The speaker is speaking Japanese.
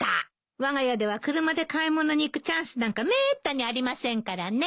わが家では車で買い物に行くチャンスなんかめーったにありませんからね。